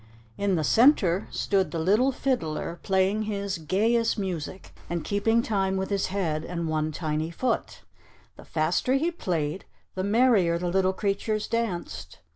In the center stood the Little Fiddler, playing his gayest music, and keeping time with his head and one tiny foot. The faster he played, the merrier the little creatures danced.